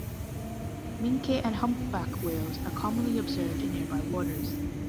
Minke and Humpback whales are commonly observed in nearby waters.